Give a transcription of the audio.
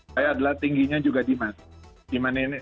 kayaknya tingginya juga demand